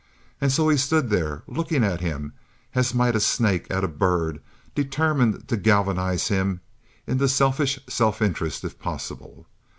And so he stood there looking at him as might a snake at a bird determined to galvanize him into selfish self interest if possible.